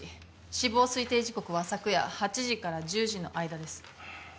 死亡推定時刻は昨夜８時から１０時の間です。